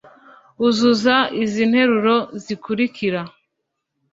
uzuza izi interuro zikurikira